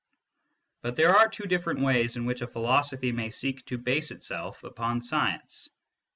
But there are two different ways in which a philosophy may seek to base itself upon science.